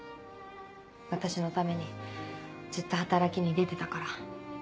私のためにずっと働きに出てたから。